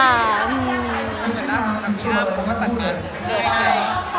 มันเหมือนนะพี่อ้ำก็จัดเงินเลย